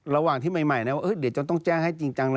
ระหว่างที่ใหม่นะว่าเดี๋ยวจะต้องแจ้งให้จริงจังเลย